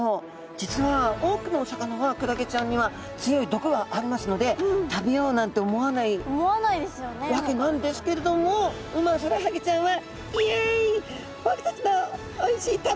実は多くのお魚はクラゲちゃんには強い毒がありますので食べようなんて思わないわけなんですけれどもウマヅラハギちゃんは。